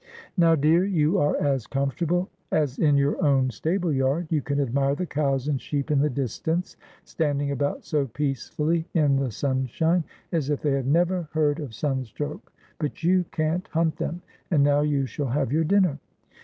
' Now, dear, you are as comfortable as in your own stable yard. You can admire the cows and sheep in the distance, stand ing about so peacefully in the sunshine, as if they had never heard of sunstroke, but you can't hunt them. And now you shall have your dinner.'